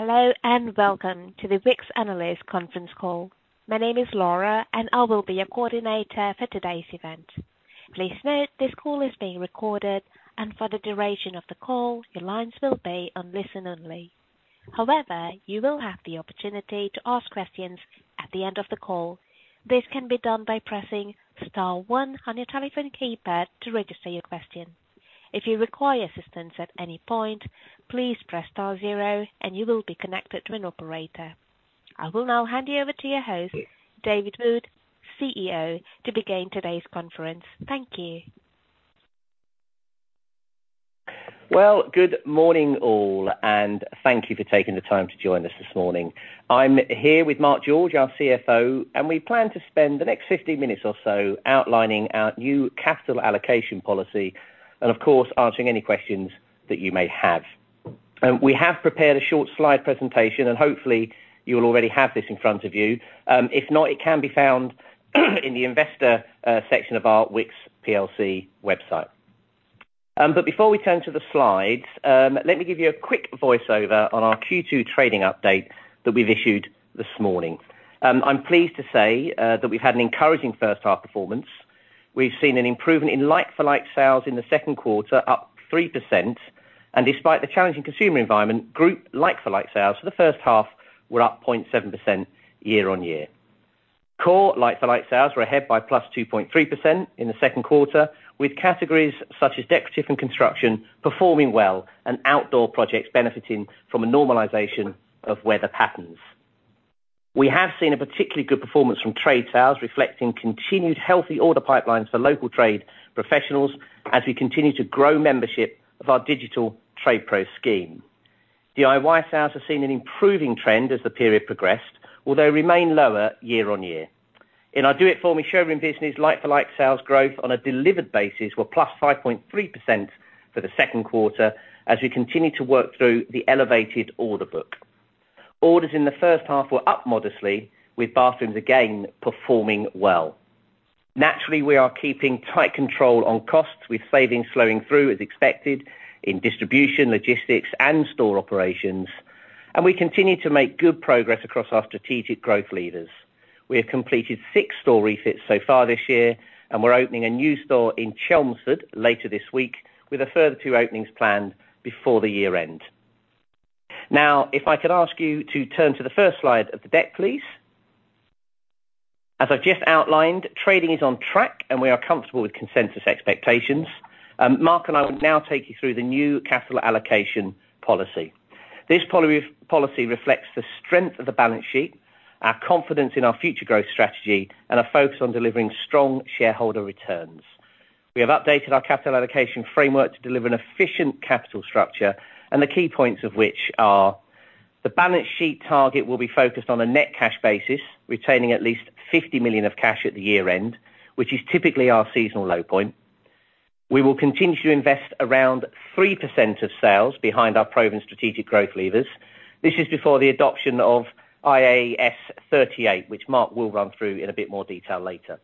Hello, and welcome to the Wickes Analyst Conference Call. My name is Laura, and I will be your coordinator for today's event. Please note, this call is being recorded, and for the duration of the call, your lines will be on listen only. You will have the opportunity to ask questions at the end of the call. This can be done by pressing star one on your telephone keypad to register your question. If you require assistance at any point, please press star zero and you will be connected to an operator. I will now hand you over to your host, David Wood, CEO, to begin today's conference. Thank you. Well, good morning, all, and thank you for taking the time to join us this morning. I'm here with Mark George, our CFO, and we plan to spend the next 50 minutes or so outlining our new capital allocation policy, and of course, answering any questions that you may have. We have prepared a short slide presentation, and hopefully, you'll already have this in front of you. If not, it can be found, in the investor, section of our Wickes PLC website. Before we turn to the slides, let me give you a quick voiceover on our Q2 trading update that we've issued this morning. I'm pleased to say that we've had an encouraging first half performance. We've seen an improvement in like-for-like sales in the second quarter, up 3%, and despite the challenging consumer environment, group like-for-like sales for the first half were up 0.7% year-on-year. Core like-for-like sales were ahead by +2.3% in the second quarter, with categories such as decorative and construction performing well, and outdoor projects benefiting from a normalization of weather patterns. We have seen a particularly good performance from trade sales, reflecting continued healthy order pipelines for local trade professionals as we continue to grow membership of our digital TradePro scheme. DIY sales have seen an improving trend as the period progressed, although remain lower year-on-year. In our Do It For Me showroom business, like-for-like sales growth on a delivered basis were plus 5.3% for the second quarter, as we continue to work through the elevated order book. Orders in the first half were up modestly, with bathrooms again performing well. Naturally, we are keeping tight control on costs, with savings slowing through as expected in distribution, logistics, and store operations, and we continue to make good progress across our strategic growth leaders. We have completed six store refits so far this year, and we're opening a new store in Chelmsford later this week, with a further two openings planned before the year end. If I could ask you to turn to the first slide of the deck, please. As I've just outlined, trading is on track, and we are comfortable with consensus expectations. Mark and I will now take you through the new capital allocation policy. This policy reflects the strength of the balance sheet, our confidence in our future growth strategy, and a focus on delivering strong shareholder returns. We have updated our capital allocation framework to deliver an efficient capital structure. The key points of which are: the balance sheet target will be focused on a net cash basis, retaining at least 50 million of cash at the year end, which is typically our seasonal low point. We will continue to invest around 3% of sales behind our proven strategic growth levers. This is before the adoption of IAS 38, which Mark will run through in a bit more detail later.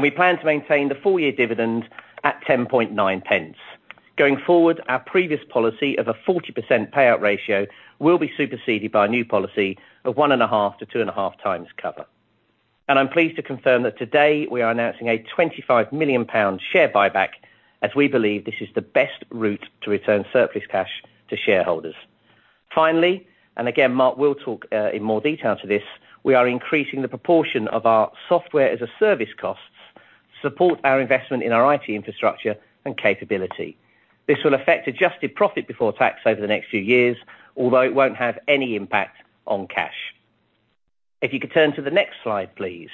We plan to maintain the full year dividend at 0.109. Going forward, our previous policy of a 40% payout ratio will be superseded by a new policy of 1.5-2.5x cover. I'm pleased to confirm that today we are announcing a 25 million pound share buyback, as we believe this is the best route to return surplus cash to shareholders. Finally, again, Mark will talk in more detail to this, we are increasing the proportion of our Software as a Service costs to support our investment in our IT infrastructure and capability. This will affect adjusted profit before tax over the next few years, although it won't have any impact on cash. If you could turn to the next slide, please.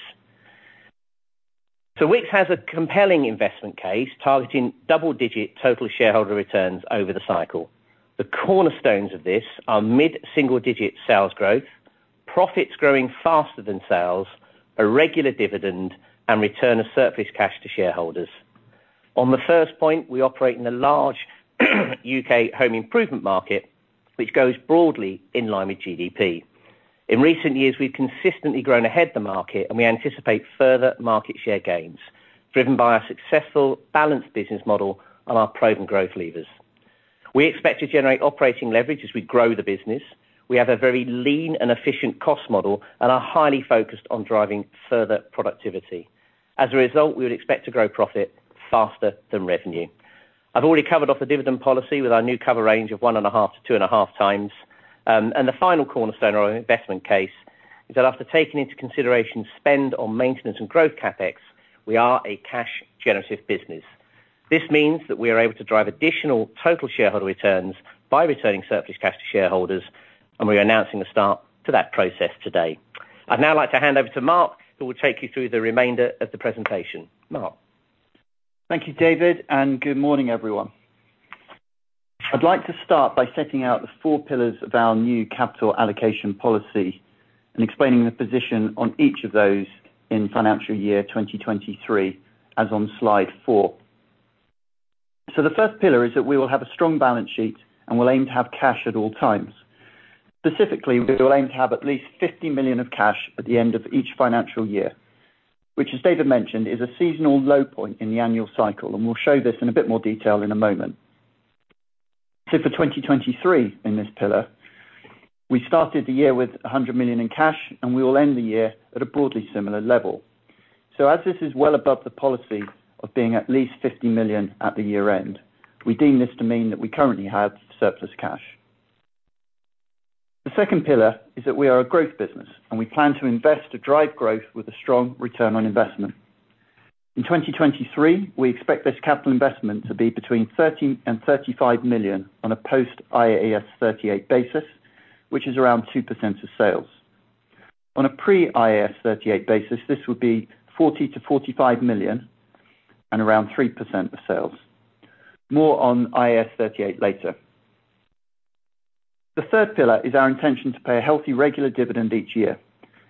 Wickes has a compelling investment case, targeting double-digit total shareholder returns over the cycle. The cornerstones of this are mid-single-digit sales growth, profits growing faster than sales, a regular dividend, and return of surplus cash to shareholders. On the first point, we operate in a large, U.K. home improvement market, which goes broadly in line with GDP. In recent years, we've consistently grown ahead the market, and we anticipate further market share gains, driven by our successful balanced business model and our proven growth levers. We expect to generate operating leverage as we grow the business. We have a very lean and efficient cost model and are highly focused on driving further productivity. As a result, we would expect to grow profit faster than revenue. I've already covered off the dividend policy with our new cover range of 1.5-2.5x. The final cornerstone of our investment case is that after taking into consideration spend on maintenance and growth CapEx, we are a cash generative business. This means that we are able to drive additional total shareholder returns by returning surplus cash to shareholders, and we are announcing the start to that process today. I'd now like to hand over to Mark, who will take you through the remainder of the presentation. Mark? Thank you, David, and good morning, everyone. I'd like to start by setting out the four pillars of our new capital allocation policy and explaining the position on each of those in financial year 2023, as on Slide four. The first pillar is that we will have a strong balance sheet and we'll aim to have cash at all times. Specifically, we will aim to have at least 50 million of cash at the end of each financial year, which as David mentioned, is a seasonal low point in the annual cycle, and we'll show this in a bit more detail in a moment. For 2023, in this pillar, we started the year with 100 million in cash, and we will end the year at a broadly similar level. As this is well above the policy of being at least 50 million at the year-end, we deem this to mean that we currently have surplus cash. The second pillar is that we are a growth business, and we plan to invest to drive growth with a strong return on investment. In 2023, we expect this capital investment to be between 30 million and 35 million on a post-IAS 38 basis, which is around 2% of sales. On a pre-IAS 38 basis, this would be 40 million-45 million and around 3% of sales. More on IAS 38 later. The third pillar is our intention to pay a healthy, regular dividend each year,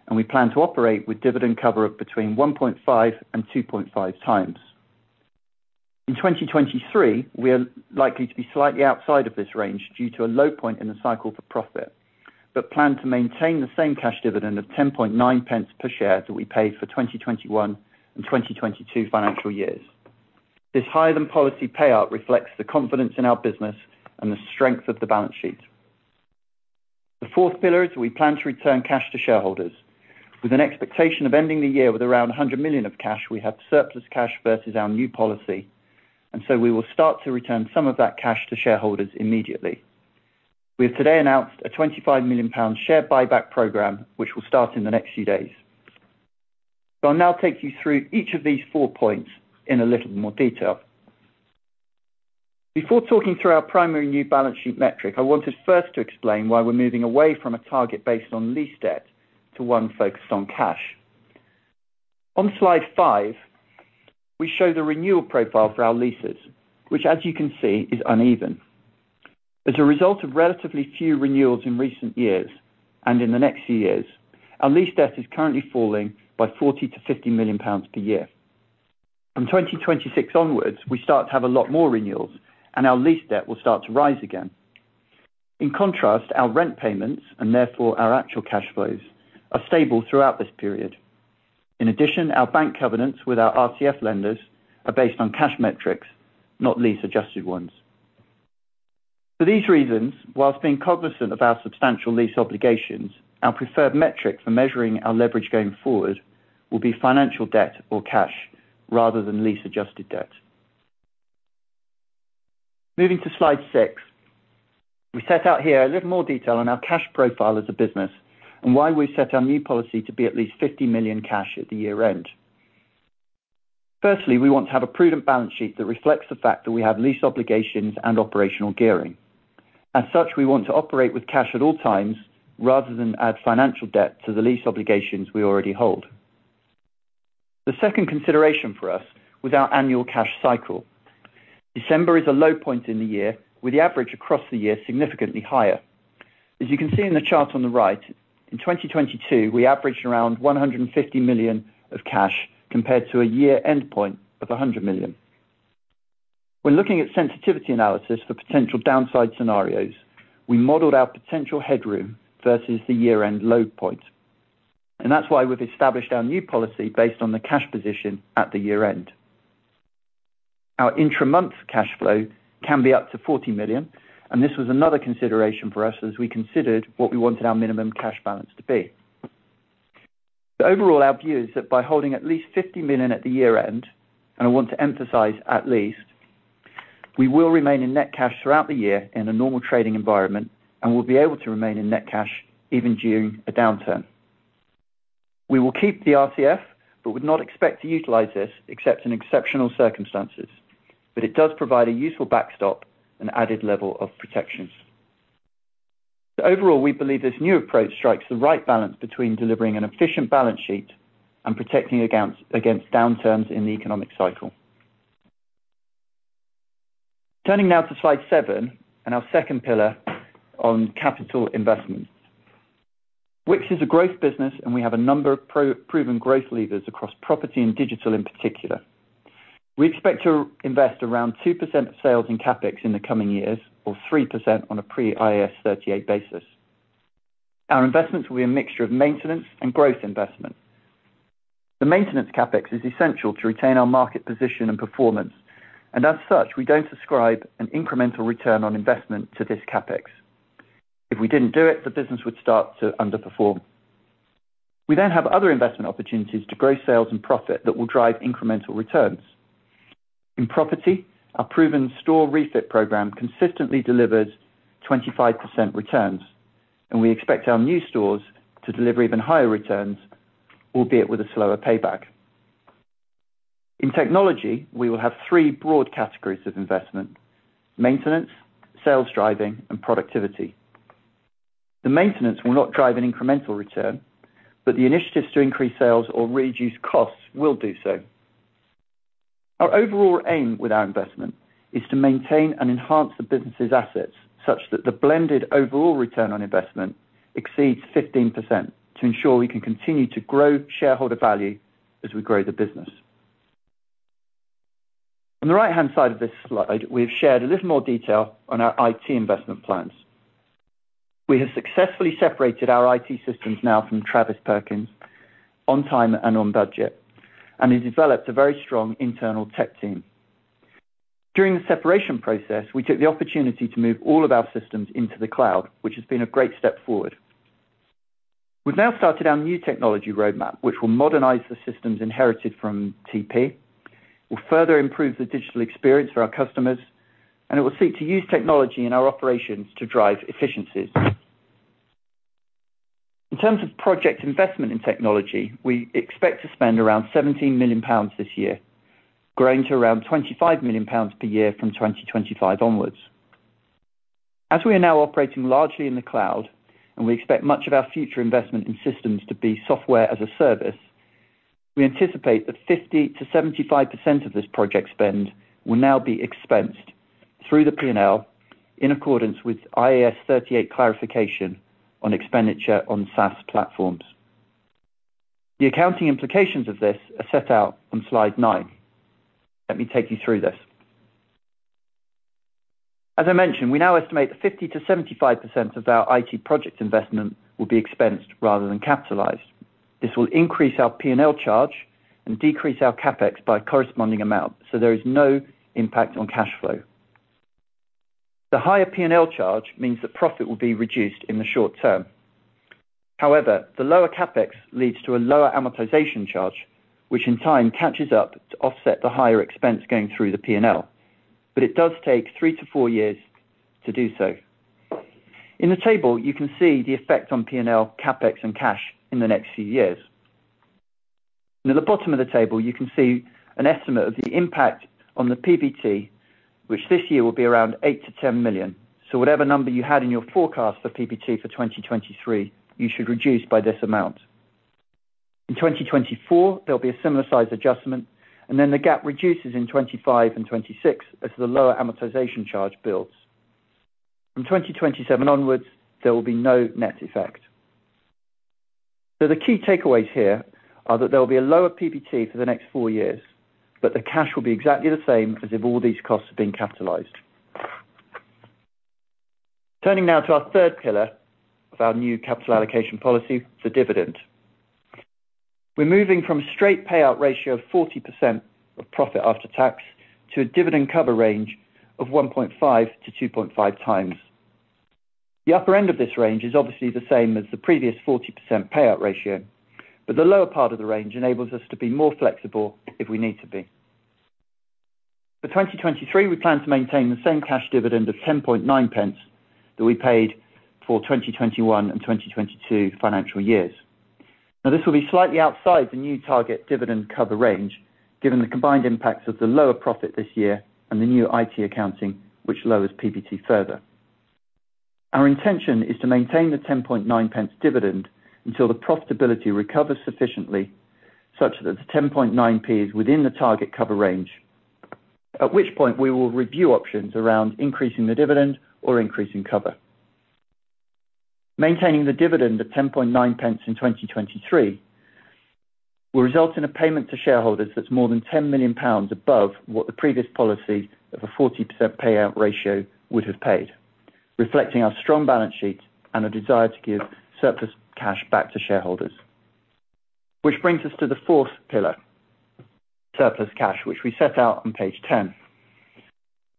and we plan to operate with dividend cover of between 1.5 and 2.5x. In 2023, we are likely to be slightly outside of this range due to a low point in the cycle for profit, but plan to maintain the same cash dividend of 0.109 per share that we paid for 2021 and 2022 financial years. This higher-than-policy payout reflects the confidence in our business and the strength of the balance sheet. The fourth pillar is we plan to return cash to shareholders. With an expectation of ending the year with around 100 million of cash, we have surplus cash versus our new policy, and so we will start to return some of that cash to shareholders immediately. We have today announced a 25 million pound share buyback program, which will start in the next few days. I'll now take you through each of these four points in a little more detail. Before talking through our primary new balance sheet metric, I wanted first to explain why we're moving away from a target based on lease debt to one focused on cash. On Slide five, we show the renewal profile for our leases, which, as you can see, is uneven. As a result of relatively few renewals in recent years, and in the next few years, our lease debt is currently falling by 40 million-50 million pounds per year. From 2026 onwards, we start to have a lot more renewals, and our lease debt will start to rise again. In contrast, our rent payments, and therefore our actual cash flows, are stable throughout this period. In addition, our bank covenants with our RCF lenders are based on cash metrics, not lease-adjusted ones. For these reasons, while being cognizant of our substantial lease obligations, our preferred metric for measuring our leverage going forward will be financial debt or cash rather than lease-adjusted debt. Moving to Slide six, we set out here a little more detail on our cash profile as a business and why we've set our new policy to be at least 50 million cash at the year-end. Firstly, we want to have a prudent balance sheet that reflects the fact that we have lease obligations and operational gearing. As such, we want to operate with cash at all times rather than add financial debt to the lease obligations we already hold. The second consideration for us was our annual cash cycle. December is a low point in the year, with the average across the year significantly higher. As you can see in the chart on the right, in 2022, we averaged around 150 million of cash, compared to a year-end point of 100 million. When looking at sensitivity analysis for potential downside scenarios, we modeled our potential headroom versus the year-end low point, and that's why we've established our new policy based on the cash position at the year-end. Our intra-month cash flow can be up to 40 million, and this was another consideration for us as we considered what we wanted our minimum cash balance to be. Overall, our view is that by holding at least 50 million at the year-end, and I want to emphasize at least, we will remain in net cash throughout the year in a normal trading environment, and we'll be able to remain in net cash even during a downturn. We will keep the RCF, would not expect to utilize this except in exceptional circumstances. It does provide a useful backstop and added level of protections. Overall, we believe this new approach strikes the right balance between delivering an efficient balance sheet and protecting against downturns in the economic cycle. Turning now to Slide seven and our second pillar on capital investments. Which is a growth business, and we have a number of pro-proven growth leaders across property and digital in particular. We expect to invest around 2% of sales in CapEx in the coming years, or 3% on a pre-IAS 38 basis. Our investments will be a mixture of maintenance and growth investment. The maintenance CapEx is essential to retain our market position and performance, and as such, we don't ascribe an incremental return on investment to this CapEx. If we didn't do it, the business would start to underperform. We have other investment opportunities to grow sales and profit that will drive incremental returns. In property, our proven store refit program consistently delivers 25% returns, and we expect our new stores to deliver even higher returns, albeit with a slower payback. In technology, we will have three broad categories of investment: maintenance, sales driving, and productivity. The maintenance will not drive an incremental return, but the initiatives to increase sales or reduce costs will do so. Our overall aim with our investment is to maintain and enhance the business's assets, such that the blended overall return on investment exceeds 15%, to ensure we can continue to grow shareholder value as we grow the business. On the right-hand side of this slide, we've shared a little more detail on our IT investment plans. We have successfully separated our IT systems now from Travis Perkins on time and on budget. We developed a very strong internal tech team. During the separation process, we took the opportunity to move all of our systems into the cloud, which has been a great step forward. We've now started our new technology roadmap, which will modernize the systems inherited from TP, will further improve the digital experience for our customers, and it will seek to use technology in our operations to drive efficiencies. In terms of project investment in technology, we expect to spend around 17 million pounds this year, growing to around 25 million pounds per year from 2025 onwards. As we are now operating largely in the cloud, and we expect much of our future investment in systems to be software as a service, we anticipate that 50%-75% of this project spend will now be expensed through the P&L in accordance with IAS 38 clarification on expenditure on SaaS platforms. The accounting implications of this are set out on Slide nine. Let me take you through this. As I mentioned, we now estimate that 50%-75% of our IT project investment will be expensed rather than capitalized. This will increase our P&L charge and decrease our CapEx by a corresponding amount, so there is no impact on cash flow. The higher P&L charge means that profit will be reduced in the short term. However, the lower CapEx leads to a lower amortization charge, which in time catches up to offset the higher expense going through the P&L, but it does take three to four years to do so. In the table, you can see the effect on P&L, CapEx, and cash in the next few years. At the bottom of the table, you can see an estimate of the impact on the PBT, which this year will be around 8 million-10 million. Whatever number you had in your forecast for PBT for 2023, you should reduce by this amount. In 2024, there'll be a similar size adjustment, then the gap reduces in 2025 and 2026 as the lower amortization charge builds. From 2027 onwards, there will be no net effect. The key takeaways here are that there will be a lower PBT for the next four years, but the cash will be exactly the same as if all these costs had been capitalized. Turning now to our third pillar of our new capital allocation policy, the dividend. We're moving from a straight payout ratio of 40% of profit after tax to a dividend cover range of 1.5-2.5x. The upper end of this range is obviously the same as the previous 40% payout ratio, but the lower part of the range enables us to be more flexible if we need to be. For 2023, we plan to maintain the same cash dividend of 0.109 that we paid for 2021 and 2022 financial years. This will be slightly outside the new target dividend cover range, given the combined impacts of the lower profit this year and the new IT accounting, which lowers PBT further. Our intention is to maintain the 0.109 dividend until the profitability recovers sufficiently, such that the 0.109 is within the target cover range, at which point we will review options around increasing the dividend or increasing cover. Maintaining the dividend at 0.109 in 2023 will result in a payment to shareholders that's more than 10 million pounds above what the previous policy of a 40% payout ratio would have paid, reflecting our strong balance sheet and a desire to give surplus cash back to shareholders. Which brings us to the fourth pillar, surplus cash, which we set out on page 10.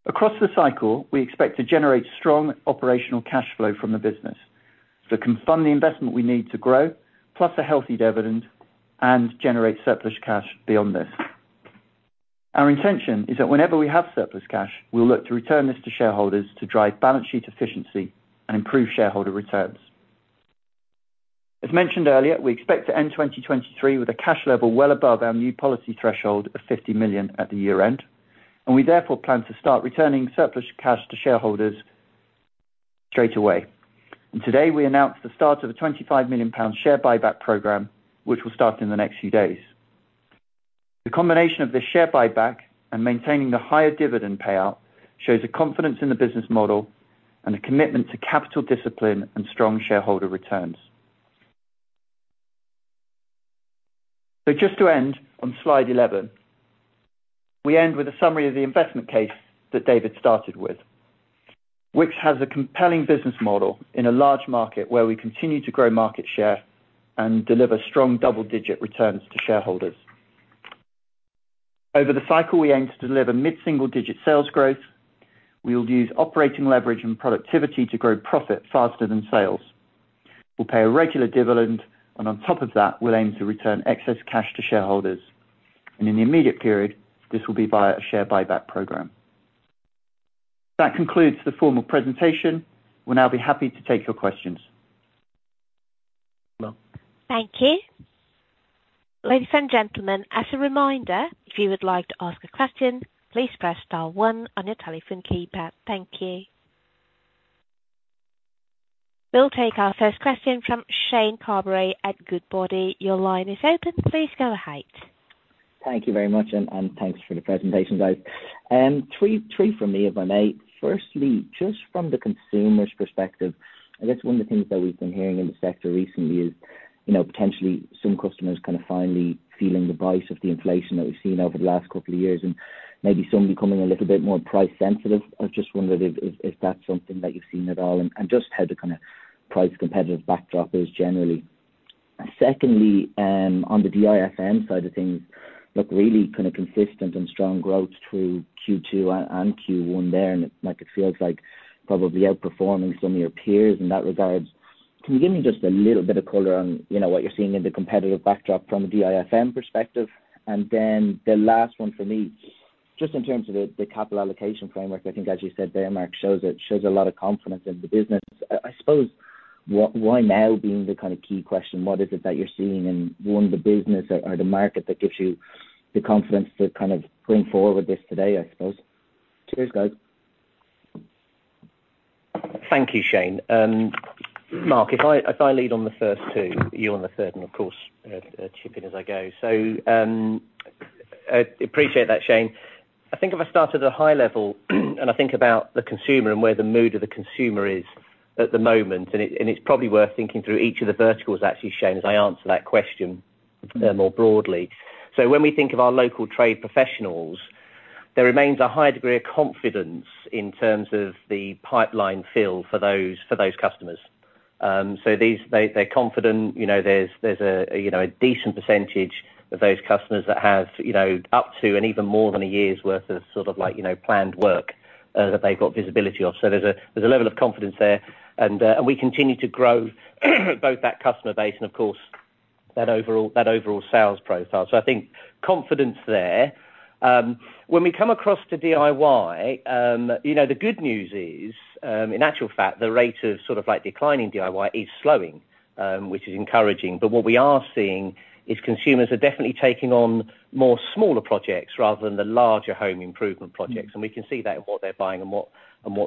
Across the cycle, we expect to generate strong operational cash flow from the business that can fund the investment we need to grow, plus a healthy dividend and generate surplus cash beyond this. Our intention is that whenever we have surplus cash, we'll look to return this to shareholders to drive balance sheet efficiency and improve shareholder returns. As mentioned earlier, we expect to end 2023 with a cash level well above our new policy threshold of 50 million at the year-end. We therefore plan to start returning surplus cash to shareholders straight away. Today, we announced the start of a 25 million pound share buyback program, which will start in the next few days. The combination of this share buyback and maintaining the higher dividend payout shows a confidence in the business model and a commitment to capital discipline and strong shareholder returns. Just to end on Slide 11, we end with a summary of the investment case that David started with. Which has a compelling business model in a large market where we continue to grow market share and deliver strong double-digit returns to shareholders. Over the cycle, we aim to deliver mid-single-digit sales growth. We will use operating leverage and productivity to grow profit faster than sales. We'll pay a regular dividend, and on top of that, we'll aim to return excess cash to shareholders. In the immediate period, this will be via a share buyback program. That concludes the formal presentation. We'll now be happy to take your questions. Thank you. Ladies and gentlemen, as a reminder, if you would like to ask a question, please press star one on your telephone keypad. Thank you. We'll take our first question from Shane Carberry at Goodbody. Your line is open. Please go ahead. Thank you very much, and thanks for the presentation, guys. Three from me, if I may. Firstly, just from the consumer's perspective, I guess one of the things that we've been hearing in the sector recently is... you know, potentially some customers kind of finally feeling the bite of the inflation that we've seen over the last couple of years, and maybe some becoming a little bit more price sensitive. I just wondered if that's something that you've seen at all, and just how the kind of price competitive backdrop is generally. Secondly, on the DIFM side of things, look really kind of consistent and strong growth through Q2 and Q1 there, and it, like, it feels like probably outperforming some of your peers in that regard. Can you give me just a little bit of color on, you know, what you're seeing in the competitive backdrop from a DIFM perspective? Then the last one for me, just in terms of the capital allocation framework, I think as you said there, Mark, it shows a lot of confidence in the business. I suppose, why now being the kind of key question, what is it that you're seeing in one of the business or the market that gives you the confidence to kind of bring forward this today, I suppose? Cheers, guys. Thank you, Shane. Mark, if I lead on the first two, you on the third, and of course, chip in as I go. I appreciate that, Shane. I think if I start at a high level, and I think about the consumer and where the mood of the consumer is at the moment, and it's probably worth thinking through each of the verticals actually, Shane, as I answer that question, more broadly. When we think of our local trade professionals, there remains a high degree of confidence in terms of the pipeline fill for those customers. These, they're confident, you know, there's a, you know, a decent percentage of those customers that have, you know, up to, and even more than a year's worth of sort of like, you know, planned work that they've got visibility of. There's a, there's a level of confidence there, and we continue to grow both that customer base and, of course, that overall sales profile. I think confidence there. When we come across to DIY, you know, the good news is, in actual fact, the rate of sort of like declining DIY is slowing, which is encouraging. What we are seeing is consumers are definitely taking on more smaller projects rather than the larger home improvement projects. We can see that in what they're buying and what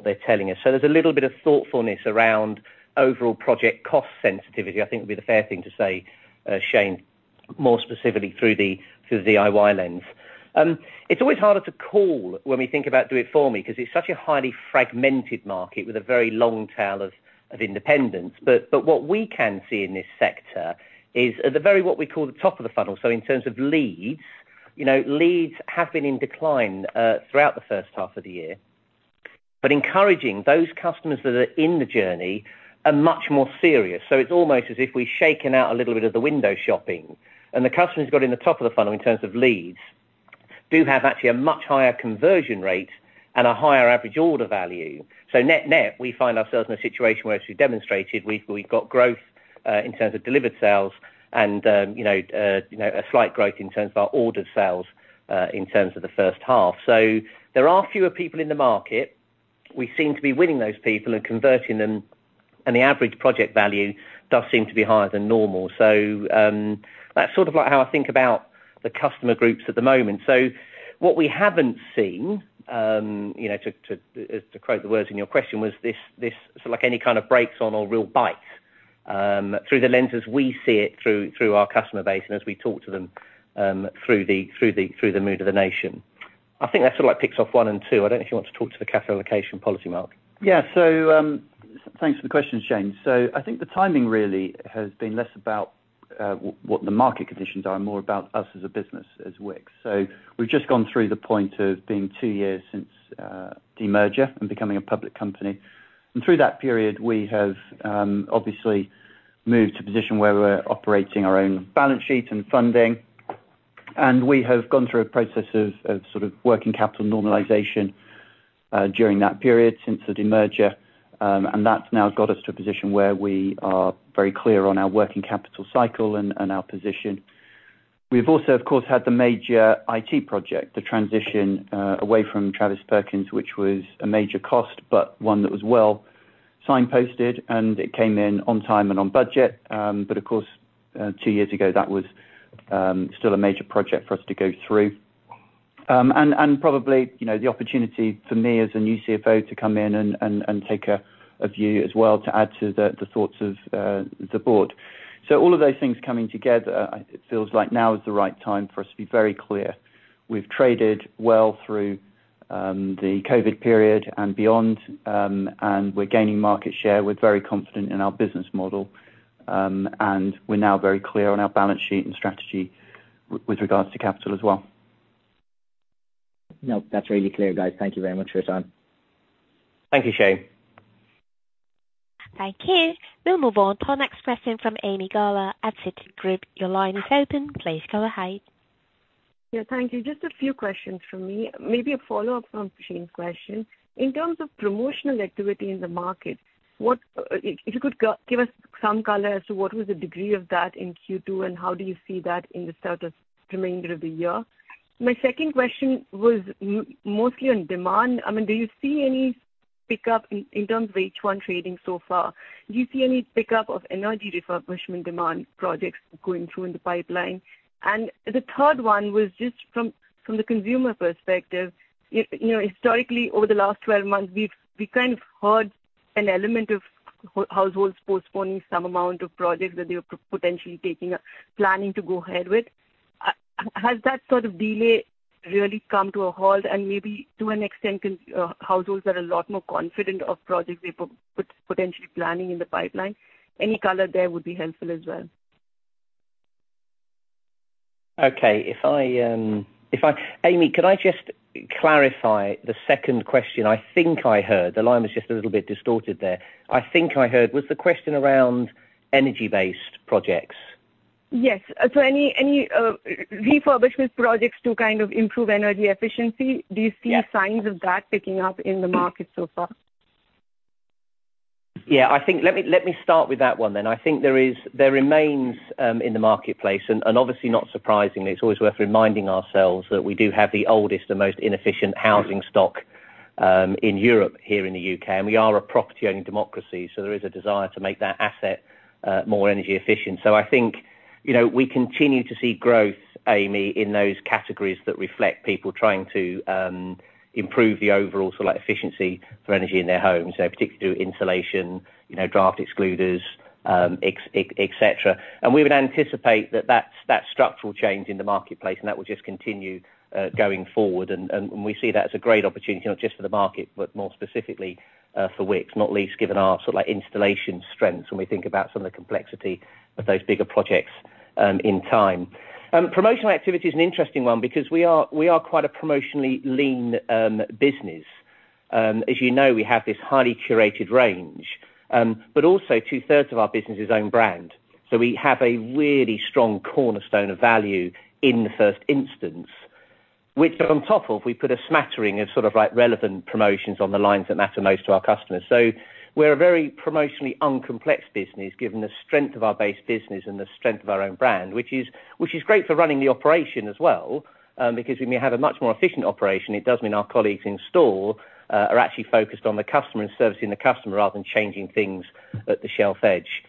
they're telling us. There's a little bit of thoughtfulness around overall project cost sensitivity, I think would be the fair thing to say, Shane, more specifically through the DIY lens. It's always harder to call when we think about Do It For Me, 'cause it's such a highly fragmented market with a very long tail of independence. What we can see in this sector is at the very, what we call the top of the funnel, so in terms of leads, you know, leads have been in decline throughout the first half of the year. Encouraging, those customers that are in the journey are much more serious. It's almost as if we've shaken out a little bit of the window shopping, and the customers got in the top of the funnel in terms of leads, do have actually a much higher conversion rate and a higher average order value. Net-net, we find ourselves in a situation where as we've demonstrated, we've got growth in terms of delivered sales and, you know, you know, a slight growth in terms of our ordered sales in terms of the first half. There are fewer people in the market. We seem to be winning those people and converting them, and the average project value does seem to be higher than normal. That's sort of like how I think about the customer groups at the moment. What we haven't seen, you know, to quote the words in your question, was this like any kind of brakes on or real bites through the lenses we see it through our customer base and as we talk to them, through the mood of the nation. I think that sort of like ticks off one and two. I don't know if you want to talk to the capital allocation policy, Mark. Yeah. Thanks for the questions, Shane. I think the timing really has been less about what the market conditions are, and more about us as a business, as Wickes. We've just gone through the point of being two years since de-merger and becoming a public company. Through that period, we have obviously moved to a position where we're operating our own balance sheet and funding, and we have gone through a process of sort of working capital normalization during that period, since the de-merger. That's now got us to a position where we are very clear on our working capital cycle and our position. We've also, of course, had the major IT project, the transition away from Travis Perkins, which was a major cost, but one that was well signposted, and it came in on time and on budget. Of course, two years ago, that was still a major project for us to go through. Probably, you know, the opportunity for me as a new CFO to come in and take a view as well, to add to the thoughts of the board. All of those things coming together, it feels like now is the right time for us to be very clear. We've traded well through the COVID period and beyond, and we're gaining market share. We're very confident in our business model, and we're now very clear on our balance sheet and strategy with regards to capital as well. Nope, that's really clear, guys. Thank you very much for your time. Thank you, Shane. Thank you. We'll move on to our next question from Ami Galla at Citi. Your line is open. Please go ahead. Yeah, thank you. Just a few questions from me. Maybe a follow-up from Shane's question. In terms of promotional activity in the market, what if you could give us some color as to what was the degree of that in Q2, and how do you see that in the start of remainder of the year? My second question was mostly on demand. I mean, do you see any pickup in terms of H1 trading so far? Do you see any pickup of energy refurbishment demand projects going through in the pipeline? The third one was just from the consumer perspective. You know, historically, over the last 12 months, we kind of heard an element of households postponing some amount of projects that they were potentially taking or planning to go ahead with. Has that sort of delay really come to a halt, and maybe to an extent, can households are a lot more confident of projects they potentially planning in the pipeline? Any color there would be helpful as well. Okay. If I, Ami, could I just clarify the second question I think I heard? The line was just a little bit distorted there. I think I heard, was the question around energy-based projects? Yes. Any refurbishment projects to kind of improve energy efficiency- Do you see signs of that picking up in the market so far? I think, let me start with that one. I think there remains in the marketplace, and obviously not surprisingly, it's always worth reminding ourselves that we do have the oldest and most inefficient housing stock in Europe, here in the U.K., and we are a property-owning democracy. There is a desire to make that asset more energy efficient. I think, you know, we continue to see growth, Ami, in those categories that reflect people trying to improve the overall sort of like efficiency for energy in their homes, so particularly to do with insulation, you know, draft excluders, et cetera. We would anticipate that that's structural change in the marketplace, and that will just continue going forward. We see that as a great opportunity, not just for the market, but more specifically, for Wickes, not least given our sort of like installation strengths when we think about some of the complexity of those bigger projects, in time. Promotional activity is an interesting one because we are quite a promotionally lean, business. As you know, we have this highly curated range, but also two-thirds of our business is own brand, so we have a really strong cornerstone of value in the first instance, which on top of, we put a smattering of sort of like relevant promotions on the lines that matter most to our customers. We're a very promotionally uncomplex business, given the strength of our base business and the strength of our own-brand, which is great for running the operation as well, because we may have a much more efficient operation. It does mean our colleagues in store are actually focused on the customer and servicing the customer, rather than changing things at the shelf edge.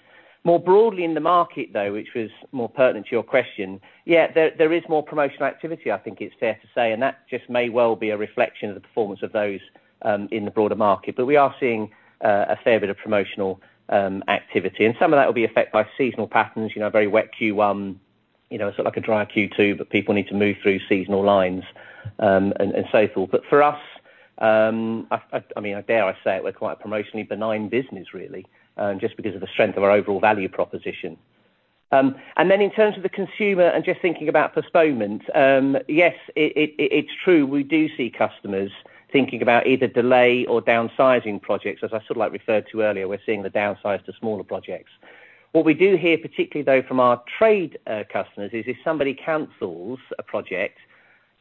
More broadly in the market, though, which was more pertinent to your question, yeah, there is more promotional activity, I think it's fair to say, and that just may well be a reflection of the performance of those in the broader market. We are seeing a fair bit of promotional activity, and some of that will be affected by seasonal patterns, a very wet Q1, a dry Q2, but people need to move through seasonal lines, and so forth. For us, dare I say it, we're quite a promotionally benign business, really, just because of the strength of our overall value proposition. In terms of the consumer and just thinking about postponement, yes, it's true, we do see customers thinking about either delay or downsizing projects. As I referred to earlier, we're seeing the downsize to smaller projects. What we do hear, particularly though, from our trade customers, is if somebody cancels a project,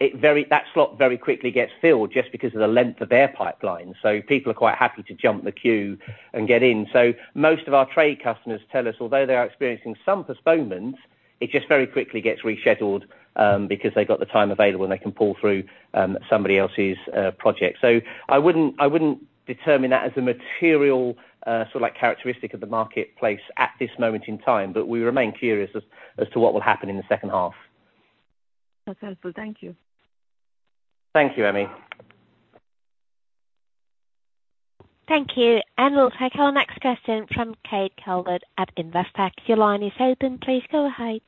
that slot very quickly gets filled just because of the length of their pipeline, so people are quite happy to jump the queue and get in. Most of our trade customers tell us, although they are experiencing some postponement, it just very quickly gets rescheduled, because they've got the time available, and they can pull through somebody else's project. I wouldn't determine that as a material sort of like characteristic of the marketplace at this moment in time, but we remain curious as to what will happen in the second half. That's helpful. Thank you. Thank you, Ami. Thank you. We'll take our next question from Kate Calvert at Investec. Your line is open, please go ahead.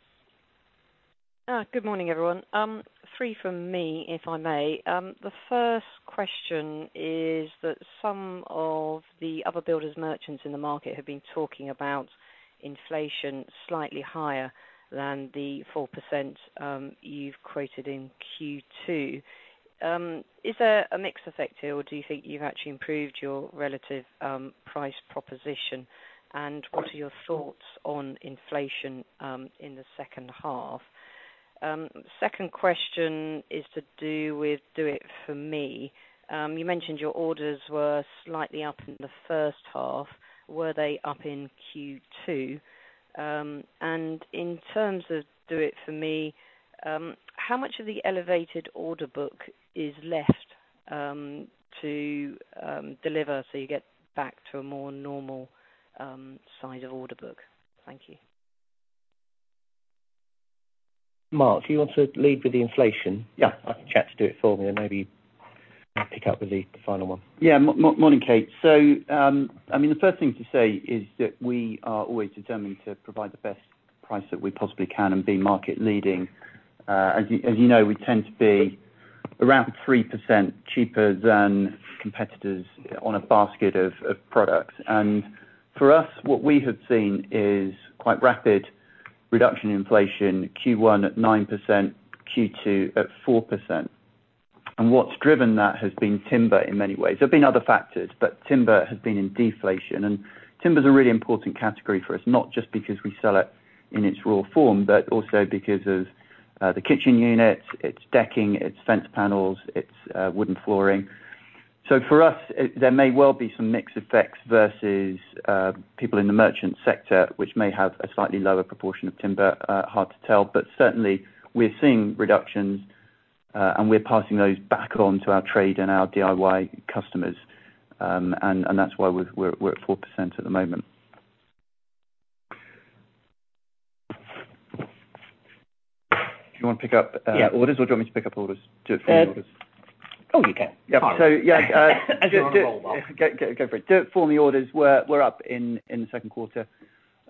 Good morning, everyone. Three from me, if I may. The first question is that some of the other builders merchants in the market have been talking about inflation slightly higher than the 4%, you've quoted in Q2. Is there a mix effect here, or do you think you've actually improved your relative price proposition? What are your thoughts on inflation in the second half? Second question is to do with Do It For Me. You mentioned your orders were slightly up in the first half. Were they up in Q2? In terms of Do It For Me, how much of the elevated order book is left to deliver, so you get back to a more normal size of order book? Thank you. Mark, do you want to lead with the inflation? Yeah. I can chat to Do It For Me, and maybe I'll pick up with the final one. Yeah, morning, Kate. I mean, the first thing to say is that we are always determined to provide the best price that we possibly can and be market leading. As you know, we tend to be around 3% cheaper than competitors on a basket of products. For us, what we have seen is quite rapid reduction in inflation, Q1 at 9%, Q2 at 4%. What's driven that has been timber in many ways. There have been other factors, but timber has been in deflation, and timber is a really important category for us, not just because we sell it in its raw form, but also because of the kitchen units, it's decking, it's fence panels, it's wooden flooring. For us, there may well be some mix effects versus people in the merchant sector, which may have a slightly lower proportion of timber. Hard to tell, but certainly we're seeing reductions, and we're passing those back on to our trade and our DIY customers. And that's why we're at 4% at the moment. Do you want to pick up? Yeah... orders, or do you want me to pick up orders? Do It For Me orders. Oh, you can. Yeah. Yeah, go for it. DIFM orders, we're up in the second quarter.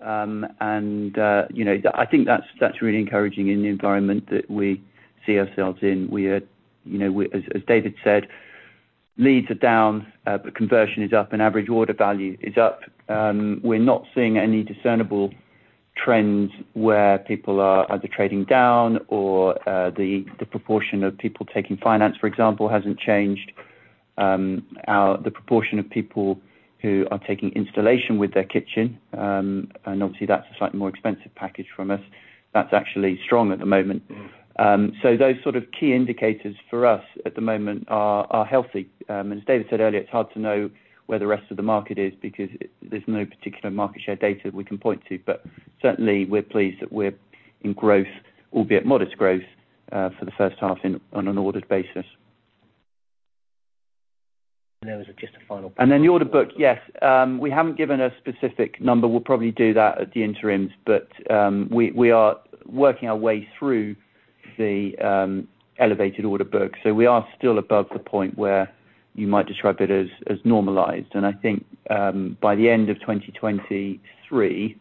You know, I think that's really encouraging in the environment that we see ourselves in. We are, you know, as David said, leads are down, but conversion is up, and average order value is up. We're not seeing any discernible trends where people are either trading down or the proportion of people taking finance, for example, hasn't changed. The proportion of people who are taking installation with their kitchen, and obviously that's a slightly more expensive package from us, that's actually strong at the moment. Those sort of key indicators for us, at the moment, are healthy. As David said earlier, it's hard to know where the rest of the market is because there's no particular market share data we can point to, but certainly we're pleased that we're in growth, albeit modest growth, for the first half in, on an ordered basis. there was just a final-. The order book, yes. We haven't given a specific number. We'll probably do that at the interims, but we are working our way through the elevated order book. We are still above the point where you might describe it as normalized. I think, by the end of 2023,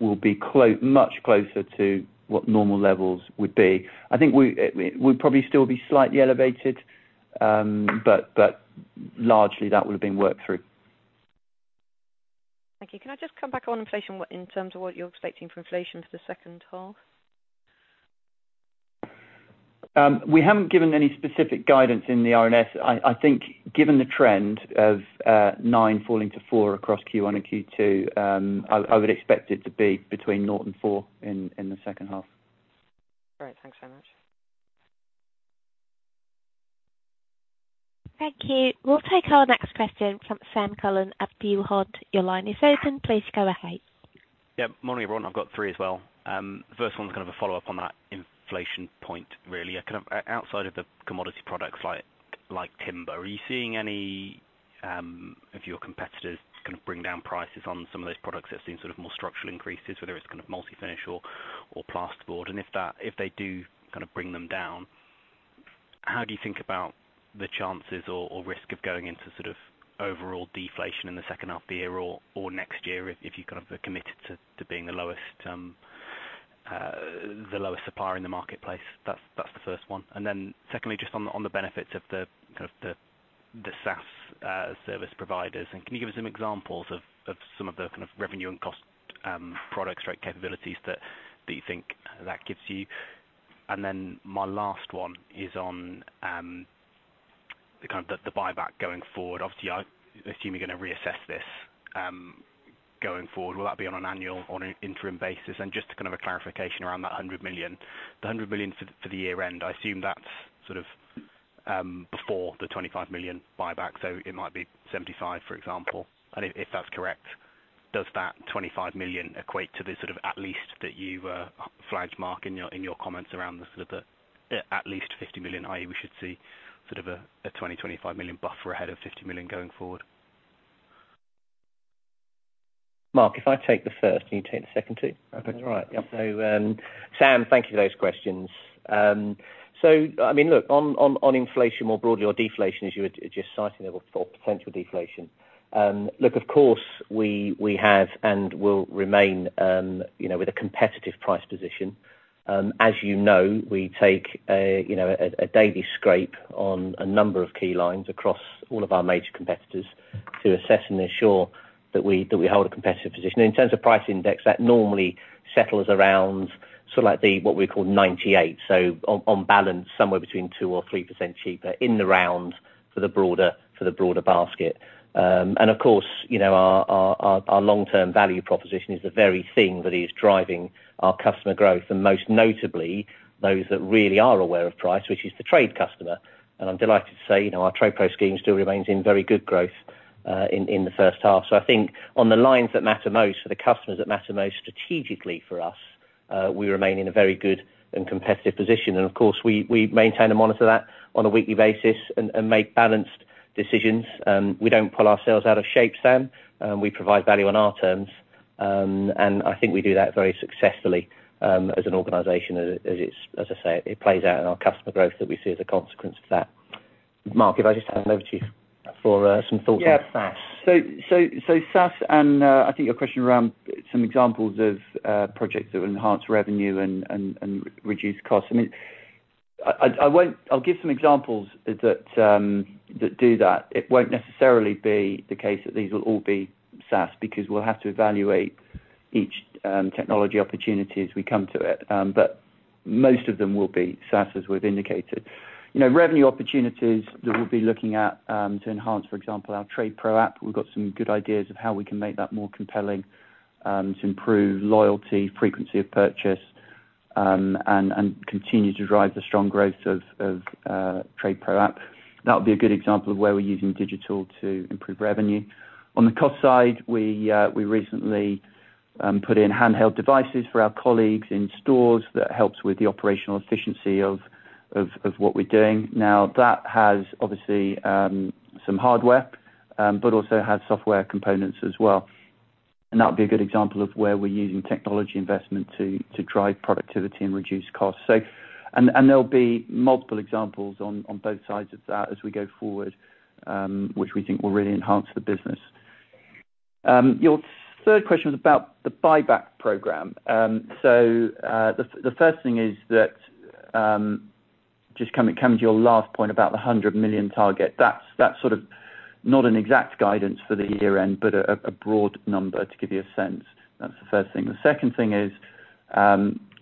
we'll be much closer to what normal levels would be. I think we'll probably still be slightly elevated, but largely that would have been worked through. Thank you. Can I just come back on inflation, what, in terms of what you're expecting for inflation for the second half? We haven't given any specific guidance in the RNS. I think given the trend of 9% falling to 4% across Q1 and Q2, I would expect it to be between 0% and 4% in the second half. Great. Thanks so much. Thank you. We'll take our next question from Sam Cullen at Peel Hunt. Your line is open. Please go ahead. Yeah. Morning, everyone. I've got three as well. The first one is kind of a follow-up on that inflation point, really. Kind of outside of the commodity products, like timber, are you seeing any of your competitors kind of bring down prices on some of those products that have seen sort of more structural increases, whether it's kind of multi-finish or plasterboard? If they do kind of bring them down, how do you think about the chances or risk of going into sort of overall deflation in the second half of the year or next year, if you kind of are committed to being the lowest supplier in the marketplace? That's the first one. Secondly, just on the benefits of the kind of the SaaS service providers, can you give us some examples of some of the kind of revenue and cost products or capabilities that you think that gives you? My last one is on the kind of the buyback going forward. Obviously, I assume you're gonna reassess this going forward. Will that be on an annual or an interim basis? Just kind of a clarification around that 100 million. The 100 million for the year end, I assume that's sort of before the 25 million buyback, so it might be 75 million, for example. If that's correct, does that 25 million equate to the sort of at least that you flagged Mark, in your comments around the sort of the at least 50 million, i.e., we should see sort of a 20 million, 25 million buffer ahead of 50 million going forward? Mark, if I take the first, can you take the second two? Okay. All right. Yep. Sam, thank you for those questions. I mean, look, on, on inflation, more broadly, or deflation, as you were just citing there, or potential deflation. Look, of course, we have and will remain, you know, with a competitive price position. As you know, we take a, you know, a daily scrape on a number of key lines across all of our major competitors to assess and ensure that we hold a competitive position. In terms of price index, that normally settles around sort of like the, what we call 98. On balance, somewhere between 2% or 3% cheaper in the round for the broader basket. Of course, you know, our long-term value proposition is the very thing that is driving our customer growth, and most notably, those that really are aware of price, which is the trade customer. I'm delighted to say, you know, our TradePro scheme still remains in very good growth in the first half. I think on the lines that matter most, for the customers that matter most strategically for us, we remain in a very good and competitive position. Of course, we maintain and monitor that on a weekly basis and make balanced decisions. We don't pull ourselves out of shape, Sam. We provide value on our terms, I think we do that very successfully, as an organization, as I say, it plays out in our customer growth that we see as a consequence to that. Mark, if I just hand over to you for some thoughts on SaaS. Yeah. SaaS, and I think your question around some examples of projects that enhance revenue and reduce costs. I mean, I'll give some examples that do that. It won't necessarily be the case that these will all be SaaS, because we'll have to evaluate each technology opportunity as we come to it. Most of them will be SaaS, as we've indicated. You know, revenue opportunities that we'll be looking at, to enhance, for example, our TradePro app, we've got some good ideas of how we can make that more compelling, to improve loyalty, frequency of purchase, and continue to drive the strong growth of TradePro app. That would be a good example of where we're using digital to improve revenue. On the cost side, we recently put in handheld devices for our colleagues in stores that helps with the operational efficiency of what we're doing. That has obviously some hardware, but also has software components as well. That would be a good example of where we're using technology investment to drive productivity and reduce costs. There'll be multiple examples on both sides of that as we go forward, which we think will really enhance the business. Your third question was about the buyback program. The first thing is that, just coming to your last point about the 100 million target, that's sort of not an exact guidance for the year-end, but a broad number to give you a sense. That's the first thing. The second thing is,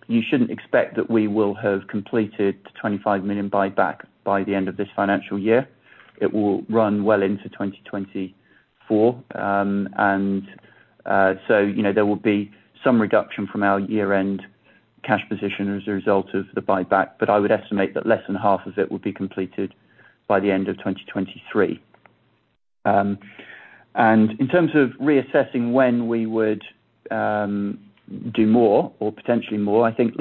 you shouldn't expect that we will have completed the 25 million buyback by the end of this financial year. It will run well into 2024. you know, there will be some reduction from our year-end cash position as a result of the buyback, but I would estimate that less than half of it will be completed by the end of 2023. In terms of reassessing when we would do more or potentially more, I think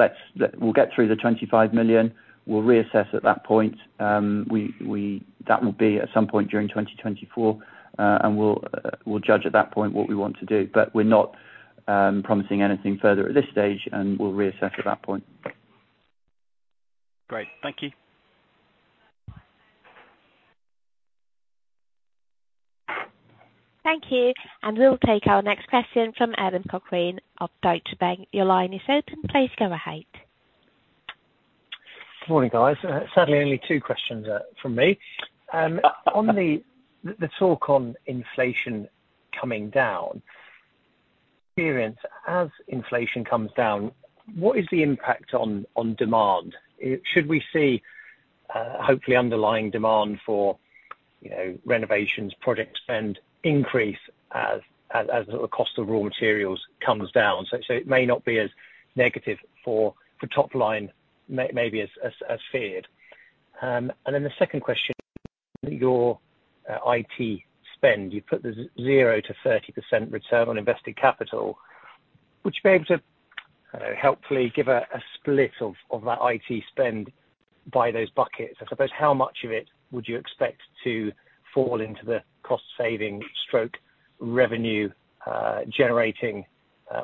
we'll get through the 25 million. We'll reassess at that point. That will be at some point during 2024. We'll judge at that point what we want to do. We're not promising anything further at this stage, and we'll reassess at that point. Great. Thank you. Thank you. We'll take our next question from Adam Cochrane of Deutsche Bank. Your line is open. Please go ahead. Good morning, guys. Sadly, only two questions from me. On the talk on inflation coming down, experience as inflation comes down, what is the impact on demand? Should we see, hopefully underlying demand for, you know, renovations, product spend increase as the cost of raw materials comes down? It may not be as negative for top line maybe as feared. The second question, your IT spend. You put the zero to 30% return on invested capital. Would you be able to, I don't know, helpfully give a split of that IT spend by those buckets? I suppose how much of it would you expect to fall into the cost saving stroke revenue generating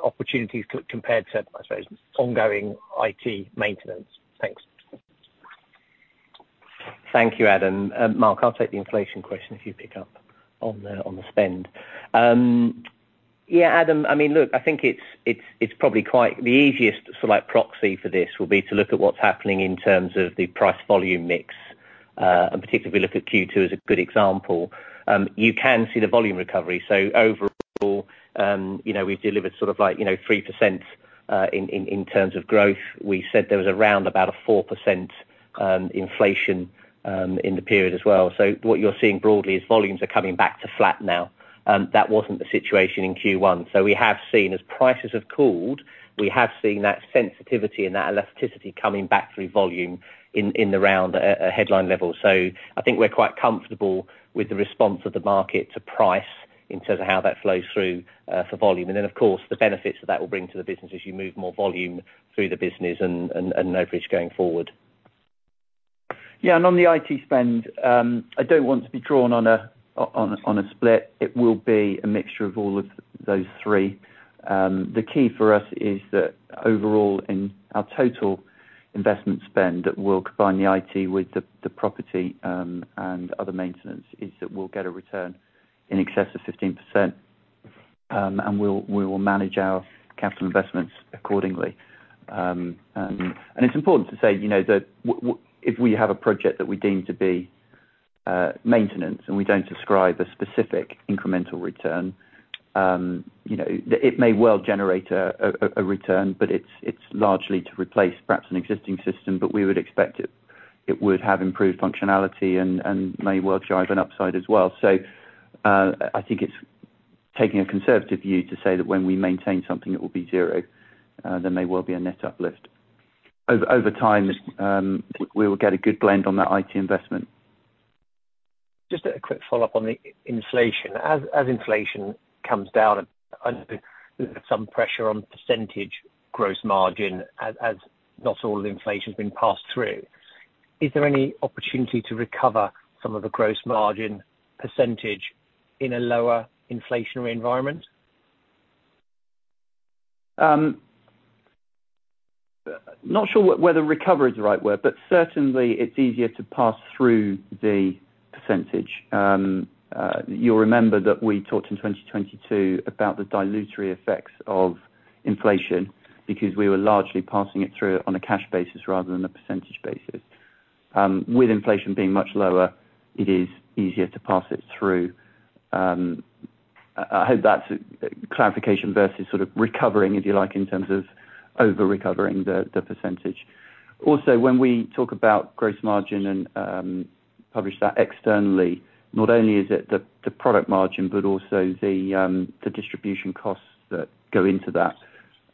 opportunities compared to, I suppose, ongoing IT maintenance? Thanks. Thank you, Adam. Mark, I'll take the inflation question if you pick up on the spend. Adam, I think it's probably quite the easiest proxy for this, will be to look at what's happening in terms of the price volume mix, and particularly if we look at Q2 as a good example. You can see the volume recovery. Overall, we've delivered 3% in terms of growth. We said there was around about a 4% inflation in the period as well. What you're seeing broadly is volumes are coming back to flat now. That wasn't the situation in Q1. We have seen, as prices have cooled, we have seen that sensitivity and that elasticity coming back through volume in the round, at a headline level. I think we're quite comfortable with the response of the market to price, in terms of how that flows through for volume. Of course, the benefits that that will bring to the business as you move more volume through the business and overage going forward. On the IT spend, I don't want to be drawn on a, on a, on a split. It will be a mixture of all of those three. The key for us is that overall, in our total investment spend, that we'll combine the IT with the property and other maintenance, is that we'll get a return in excess of 15%. We will manage our capital investments accordingly. It's important to say, you know, that if we have a project that we deem to be maintenance, and we don't describe a specific incremental return, you know, it may well generate a return, but it's largely to replace perhaps an existing system. We would expect it would have improved functionality and may well drive an upside as well. I think it's taking a conservative view to say that when we maintain something, it will be zero. There may well be a net uplift. Over time, we will get a good blend on that IT investment. Just a quick follow-up on the inflation. As inflation comes down, I know there's some pressure on percentage gross margin as not all the inflation has been passed through. Is there any opportunity to recover some of the gross margin percentage in a lower inflationary environment? Not sure whether recovery is the right word, but certainly it's easier to pass through the percentage. You'll remember that we talked in 2022 about the dilutory effects of inflation, because we were largely passing it through on a cash basis rather than a percentage basis. With inflation being much lower, it is easier to pass it through. I hope that's clarification versus sort of recovering, if you like, in terms of over-recovering the percentage. When we talk about gross margin and publish that externally, not only is it the product margin, but also the distribution costs that go into that.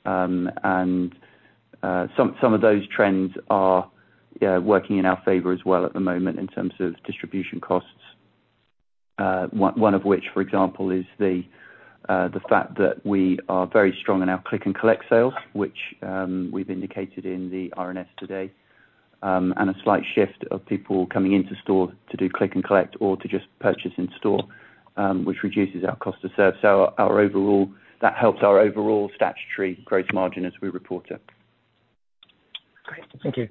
Some of those trends are working in our favor as well at the moment, in terms of distribution costs. One of which, for example, is the fact that we are very strong in our Click and Collect sales, which we've indicated in the RNS today. A slight shift of people coming into store to do Click and Collect, or to just purchase in store, which reduces our cost to serve. Our overall, that helps our overall statutory gross margin as we report it. Great. Thank you.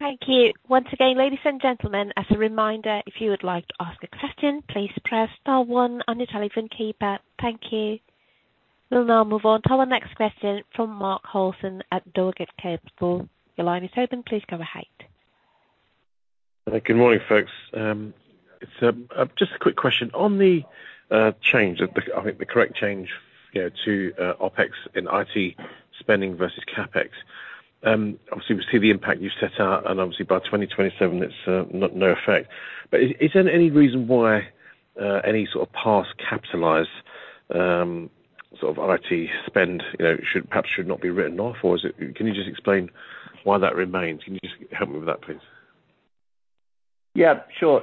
Thank you. Once again, ladies and gentlemen, as a reminder, if you would like to ask a question, please press star one on your telephone keypad. Thank you. We'll now move on to our next question from Mark Holson at Deloitte Capital. Your line is open. Please go ahead. Good morning, folks. It's just a quick question. On the change of the, I think the correct change, you know, to OpEx in IT spending versus CapEx. Obviously we see the impact you've set out, and obviously by 2027, it's no effect. Is there any reason why any sort of past capitalized sort of IT spend, you know, perhaps should not be written off? Can you just explain why that remains? Can you just help me with that, please? Yeah, sure.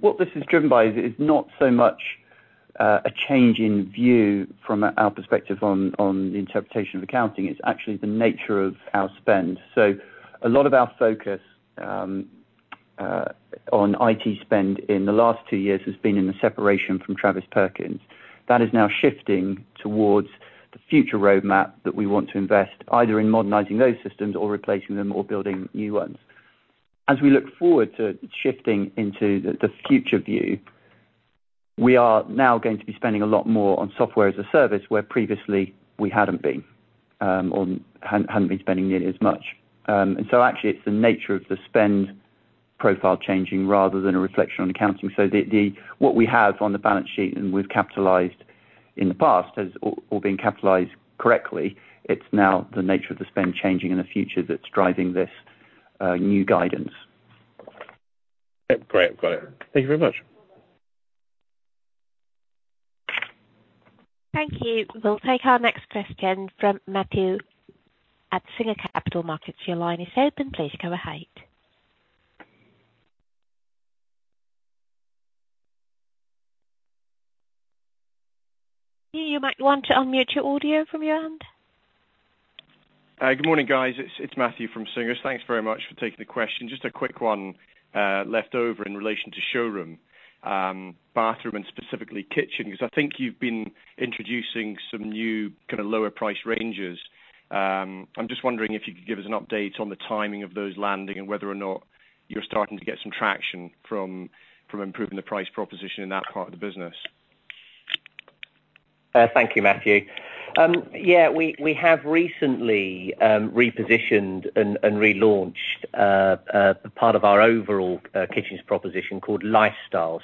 What this is driven by is not so much a change in view from our perspective on the interpretation of accounting, it's actually the nature of our spend. A lot of our focus on IT spend in the last two years has been in the separation from Travis Perkins. That is now shifting towards the future roadmap that we want to invest, either in modernizing those systems or replacing them, or building new ones. As we look forward to shifting into the future view, we are now going to be spending a lot more on software as a service, where previously we hadn't been, or hadn't been spending nearly as much. Actually, it's the nature of the spend profile changing rather than a reflection on accounting. The what we have on the balance sheet, and we've capitalized in the past, has all been capitalized correctly. It's now the nature of the spend changing in the future that's driving this new guidance. Great. Got it. Thank you very much. Thank you. We'll take our next question from Matthew at Singer Capital Markets. Your line is open. Please go ahead. You might want to unmute your audio from your end. Good morning, guys. It's Matthew from Singers. Thanks very much for taking the question. Just a quick one left over in relation to showroom, bathroom, and specifically kitchen. I think you've been introducing some new, kind of, lower price ranges. I'm just wondering if you could give us an update on the timing of those landing, and whether or not you're starting to get some traction from improving the price proposition in that part of the business. Thank you, Matthew. Yeah, we have recently repositioned and relaunched part of our overall kitchens proposition called Lifestyle.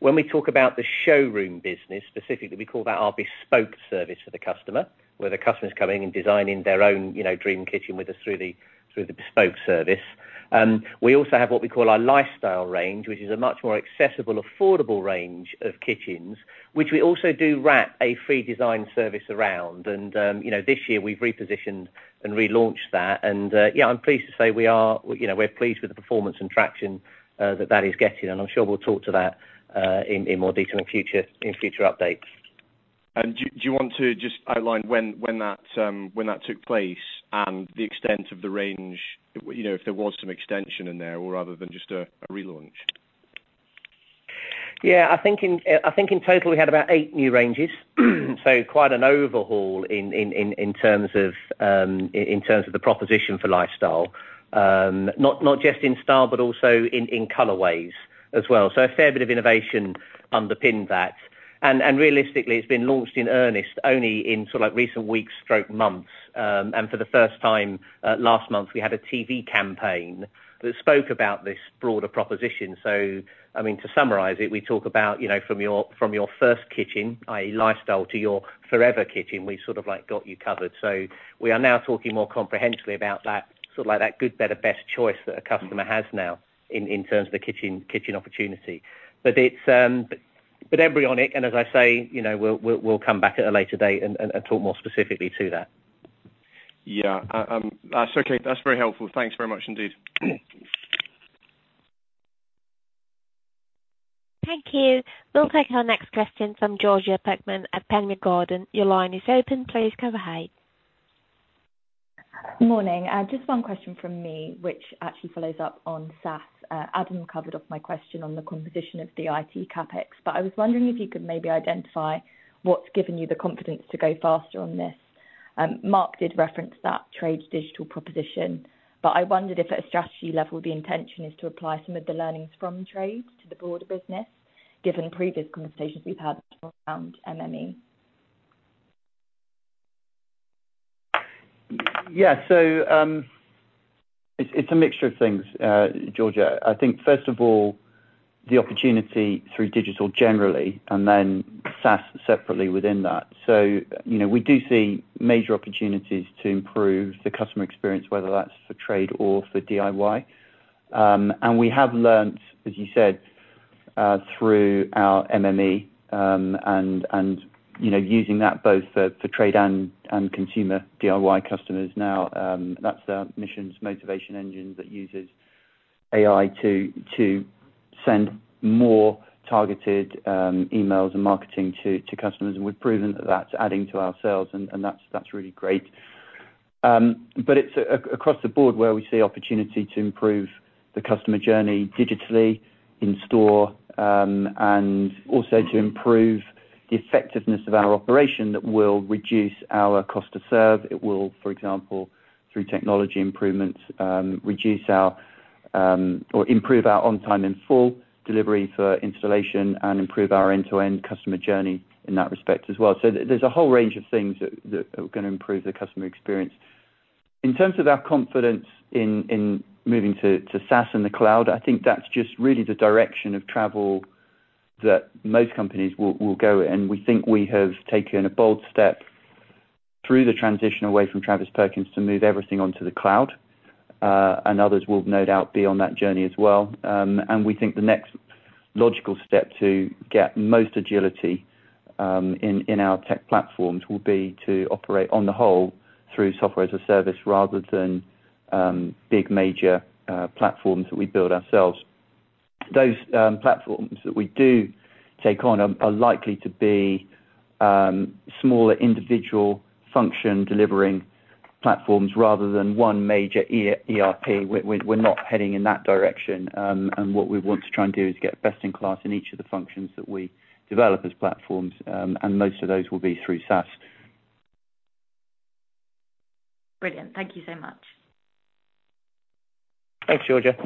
When we talk about the Showroom business specifically, we call that our bespoke service for the customer, where the customer is coming and designing their own, you know, dream kitchen with us through the, through the bespoke service. We also have what we call our Lifestyle range, which is a much more accessible, affordable range of kitchens, which we also do wrap a free design service around. You know, this year we've repositioned and relaunched that, and yeah, I'm pleased to say we are, you know, we're pleased with the performance and traction that that is getting, and I'm sure we'll talk to that in more detail in future, in future updates. Do you want to just outline when that, when that took place, and the extent of the range, you know, if there was some extension in there or rather than just a relaunch? Yeah, I think in total we had about eight new ranges, so quite an overhaul in terms of the proposition for Lifestyle. Not just in style, but also in colorways as well. A fair bit of innovation underpinned that. Realistically, it's been launched in earnest only in sort of like recent weeks/months. For the first time, last month, we had a TV campaign that spoke about this broader proposition. I mean, to summarize it, we talk about, you know, from your first kitchen, i.e., Lifestyle, to your forever kitchen, we sort of like got you covered. We are now talking more comprehensively about that, sort of like that good, better, best choice that a customer has now in terms of the kitchen opportunity.It's, but embryonic, and as I say, you know, we'll come back at a later date and talk more specifically to that. Yeah. That's okay. That's very helpful. Thanks very much indeed. Thank you. We'll take our next question from Georgia Pettman at Panmure Gordon. Your line is open. Please go ahead. Morning. Just one question from me, which actually follows up on SaaS. Adam covered off my question on the composition of the IT CapEx, but I was wondering if you could maybe identify what's given you the confidence to go faster on this. Mark did reference that trade digital proposition, but I wondered if at a strategy level, the intention is to apply some of the learnings from trade to the broader business, given previous conversations we've had around MME. Yeah. It's, it's a mixture of things, Georgia. I think first of all, the opportunity through digital generally, and then SaaS separately within that. You know, we do see major opportunities to improve the customer experience, whether that's for trade or for DIY. And we have learnt, as you said, through our MME, and, you know, using that both for trade and consumer DIY customers now, that's the Mission Motivation Engine that uses AI to send more targeted emails and marketing to customers, and we've proven that that's adding to our sales, and that's really great. It's across the board where we see opportunity to improve the customer journey digitally, in store, and also to improve the effectiveness of our operation that will reduce our cost to serve. It will, for example, through technology improvements, reduce our or improve our on time in full delivery for installation and improve our end-to-end customer journey in that respect as well. There's a whole range of things that are gonna improve the customer experience. In terms of our confidence in moving to SaaS and the Cloud, I think that's just really the direction of travel that most companies will go, and we think we have taken a bold step through the transition away from Travis Perkins to move everything onto the cloud. Others will no doubt be on that journey as well. And we think the next logical step to get most agility in our tech platforms will be to operate on the whole, through SaaS, rather than big major platforms that we build ourselves. Those platforms that we do take on are likely to be smaller individual function delivering platforms rather than one major ERP. We're not heading in that direction. And what we want to try and do is get best in class in each of the functions that we develop as platforms. And most of those will be through SaaS. Brilliant. Thank you so much. Thanks, Georgia.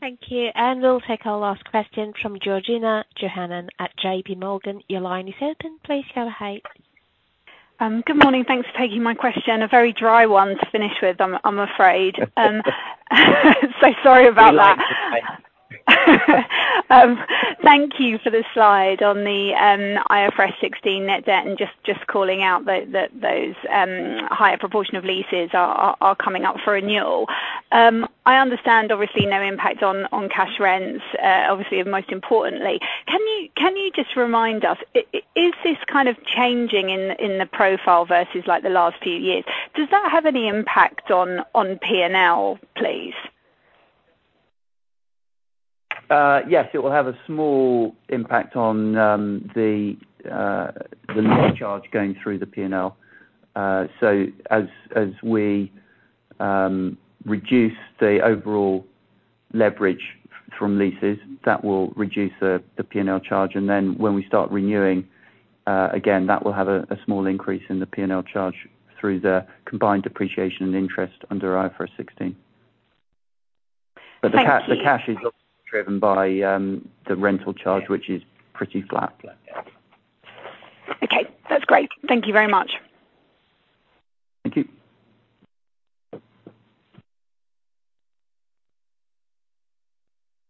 Thank you. We'll take our last question from Georgina Johanan at JPMorgan. Your line is open, please go ahead. Good morning. Thanks for taking my question, a very dry one to finish with, I'm afraid. Sorry about that. We like it. Thank you for the slide on the IFRS 16 net debt, and just calling out that those higher proportion of leases are coming up for renewal. I understand obviously, no impact on cash rents, obviously of most importantly. Can you just remind us, is this kind of changing in the profile versus like the last few years? Does that have any impact on P&L, please? Yes, it will have a small impact on the lease charge going through the P&L. As we reduce the overall leverage from leases, that will reduce the P&L charge, and then when we start renewing, again, that will have a small increase in the P&L charge through the combined depreciation and interest under IFRS 16. Thank you. The cash is driven by the rental charge, which is pretty flat. Okay, that's great. Thank you very much. Thank you.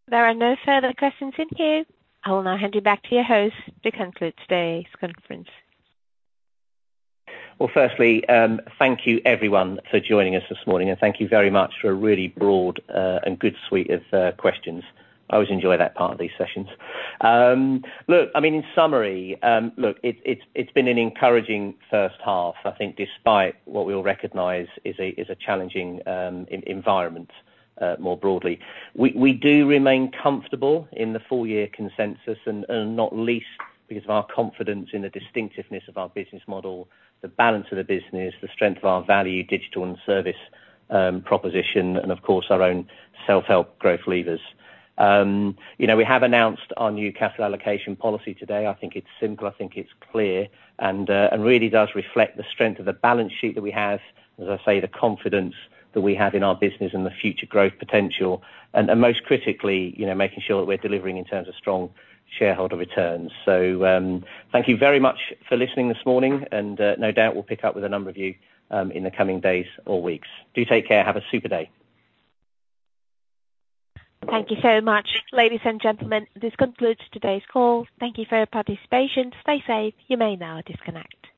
There are no further questions in here. I will now hand you back to your host to conclude today's conference. Well, firstly, thank you everyone for joining us this morning. Thank you very much for a really broad and good suite of questions. I always enjoy that part of these sessions. Look, I mean, in summary, look, it's, it's been an encouraging first half, I think, despite what we all recognize is a challenging environment more broadly. We do remain comfortable in the full year consensus and not least, because of our confidence in the distinctiveness of our business model, the balance of the business, the strength of our value, digital and service proposition, and of course, our own self-help growth levers. You know, we have announced our new capital allocation policy today. I think it's simple, I think it's clear, and really does reflect the strength of the balance sheet that we have. As I say, the confidence that we have in our business and the future growth potential, and most critically, you know, making sure that we're delivering in terms of strong shareholder returns. Thank you very much for listening this morning, and no doubt we'll pick up with a number of you in the coming days or weeks. Do take care. Have a super day. Thank you so much, ladies and gentlemen, this concludes today's call. Thank you for your participation. Stay safe. You may now disconnect.